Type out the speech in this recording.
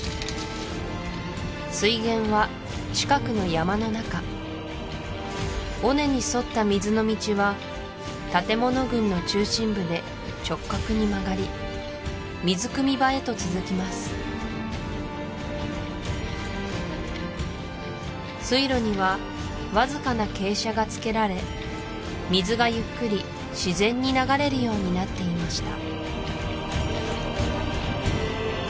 水源は近くの山の中尾根に沿った水の道は建物群の中心部で直角に曲がり水汲み場へと続きます水路にはわずかな傾斜がつけられ水がゆっくり自然に流れるようになっていました